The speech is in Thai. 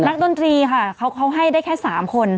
ดนตรีค่ะเขาให้ได้แค่๓คน